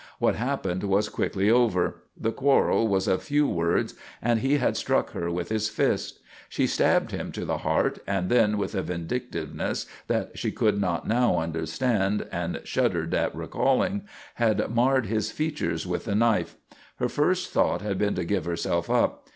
What happened was quickly over. The quarrel was of few words, and he had struck her with his fist. She stabbed him to the heart, and then with a vindictiveness that she could not now understand and shuddered at recalling had marred his features with the knife. Her first thought had been to give herself up.